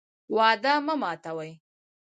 وعده مه ماتوئ